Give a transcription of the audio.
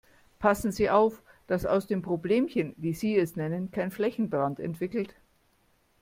Passen Sie auf, dass sich aus dem Problemchen, wie Sie es nennen, kein Flächenbrand entwickelt.